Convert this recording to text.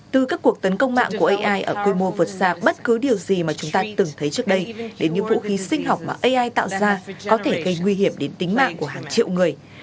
từ các cuộc tấn công mạng của ai ở quy mô vượt xa bất cứ điều gì mà chúng ta từng thấy trước đây đến những vũ khí sinh học mà ai tạo ra có thể gây nguy hiểm đến tính mạng của hàng triệu người